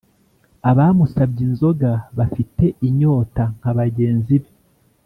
abamusabye inzoga bafite inyota nka bagenzi be